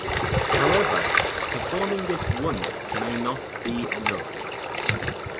However, performing it once may not be enough.